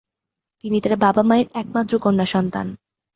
তিনি তার বাবা মায়ের একমাত্র কন্যাসন্তান।